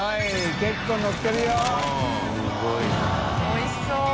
おいしそう。